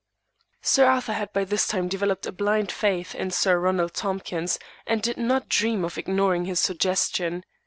Sir Arthur had by this time developed a blind faith in Sir Ronald Tompkins and did not dream of ignoring his suggestion.